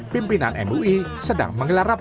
pimpinan mui sedang menggelar rapat